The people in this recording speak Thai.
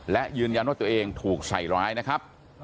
และยืนยันว่าตัวเองถูกใส่ร้ายนะครับ